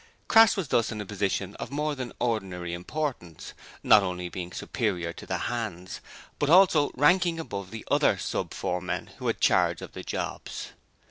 Crass was thus in a position of more than ordinary importance, not only being superior to the 'hands', but also ranking above the other sub foremen who had charge of the 'jobs'.